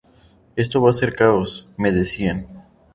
Eso va ser el caos', me decía.